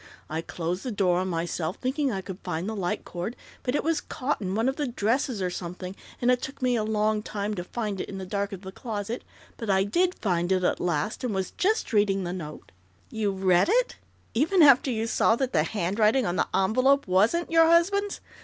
I closed the door on myself, thinking I could find the light cord, but it was caught in one of the dresses or something, and it took me a long time to find it in the dark of the closet, but I did find it at last, and was just reading the note " "You read it, even after you saw that the handwriting on the envelope wasn't your husband's?"